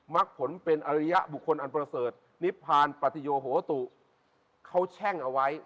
ักผลเป็นอริยบุคคลอันประเสริฐนิพพานปฏิโยโหตุเขาแช่งเอาไว้